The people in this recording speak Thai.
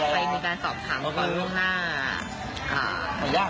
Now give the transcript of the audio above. ไปมีการสอบคำก่อนล่วงหน้า